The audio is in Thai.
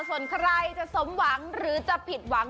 ส่วนใครจะสมหวังหรือจะผิดหวัง